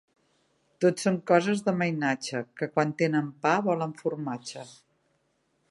Tot són coses de mainatge, que quan tenen pa volen formatge.